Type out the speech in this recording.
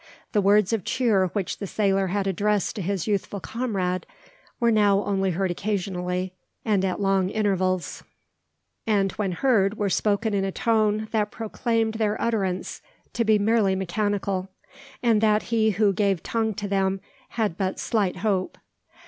The words of cheer which the sailor had addressed to his youthful comrade were now only heard occasionally, and at long intervals, and when heard were spoken in a tone that proclaimed their utterance to be merely mechanical, and that he who gave tongue to them had but slight hope.